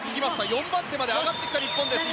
４番手まで上がってきた日本。